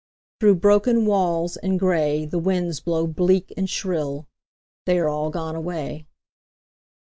Through broken walls and gray The winds blow bleak and shrill: They are all gone away.